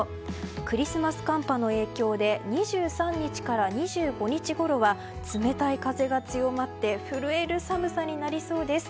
クリスマス寒波の影響で２３日から２５日ごろは冷たい風が強まって震える寒さになりそうです。